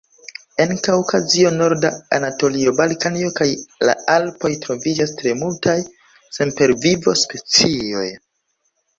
En Kaŭkazio, norda Anatolio, Balkanio kaj la Alpoj troviĝas tre multaj sempervivo-specioj.